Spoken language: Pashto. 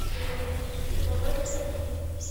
پیغمبر چېرته دی.